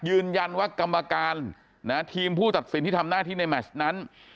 ยืนยันว่ากรรมการทีมผู้ตัดสินที่ทำหน้าที่ในแมชนั้น